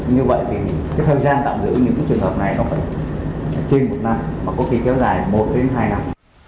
như vậy thì thời gian tạm giữ những trường hợp này có phải trên một năm có khi kéo dài một hai năm